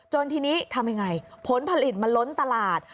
ทีนี้ทำยังไงผลผลิตมันล้นตลาด